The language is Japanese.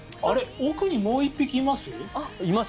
奥にもう１匹います？